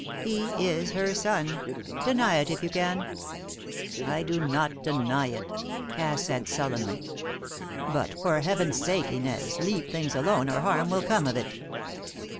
He is her son. Deny it if you can." "I do not deny it," Cass said sullenly. "But, for Heaven's sake, Inez, leave things alone, or harm will come of it."